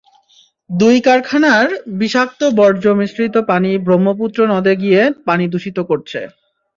দুই কারখানার বিষাক্ত বর্জ্যমিশ্রিত পানি ব্রহ্মপুত্র নদে গিয়ে পানি দূষিত করছে।